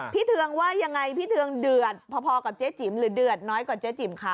เทืองว่ายังไงพี่เทืองเดือดพอกับเจ๊จิ๋มหรือเดือดน้อยกว่าเจ๊จิ๋มคะ